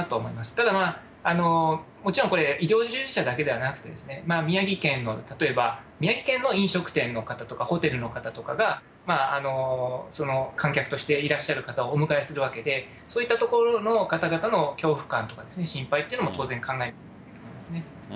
ただ、もちろんこれ、医療従事者だけではなくてですね、宮城県の例えば、宮城県の飲食店の方とかホテルの方とかが、観客としていらっしゃる方をお迎えするわけで、そういったところの方々の恐怖感とか心配っていうのも、当然考えられますね。